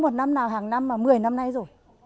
một năm nào hàng năm mà một mươi năm nay rồi